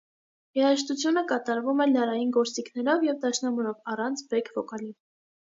Երաժշտությունը կատարվում է լարային գործիքներով և դաշնամուրով, առանց բեք վոկալի։